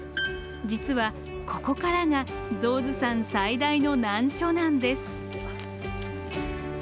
実はここからが象頭山最大の難所なんです。